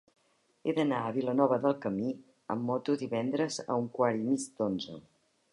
He d'anar a Vilanova del Camí amb moto divendres a un quart i mig d'onze.